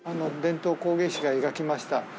伝統工芸士が描きました